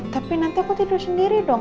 tapi nanti aku tidur sendiri dong